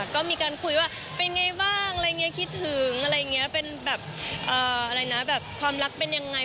ก็มีการคุยว่าเป็นไงบ้างคิดถึงเป็นแบบความรักเป็นยังไง